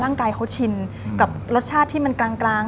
กายเขาชินกับรสชาติที่มันกลาง